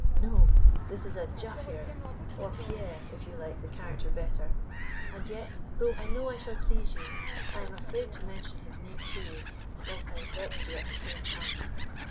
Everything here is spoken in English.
No; this is a Jaffier, or Pierre, if you like the character better; and yet though I know I shall please you, I am afraid to mention his name to you, lest I vex you at the same time.